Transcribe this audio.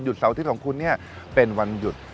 สวัสดีครับสวัสดีครับสวัสดีครับสวัสดีครับ